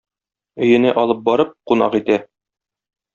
Өенә алып барып, кунак итә.